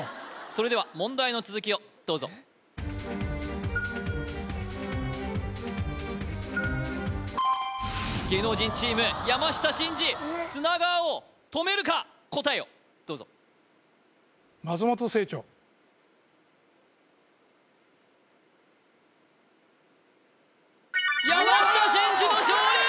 それでは問題の続きをどうぞ芸能人チーム山下真司砂川を止めるか答えをどうぞ山下真司の勝利！